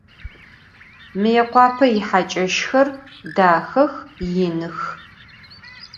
Mıêkhuape yihaç'eşxer daxex, yinıx.